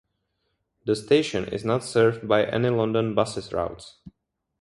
The station is not served by any London Buses Routes.